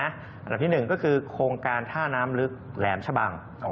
อันดับที่๑ก็คือโครงการท่าน้ำลึกแหลมชะบัง